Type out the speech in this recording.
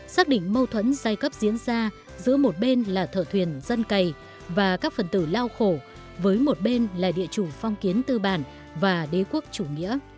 xác định mâu thuẫn giai cấp diễn ra giữa một bên là thợ thuyền dân cày và các phần tử lao khổ với một bên là địa chủ phong kiến tư bản và đế quốc chủ nghĩa